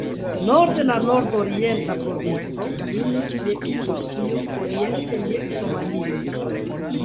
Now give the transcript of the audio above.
Norde la nordorienta provinco limis je Etiopio, oriente je Somalio.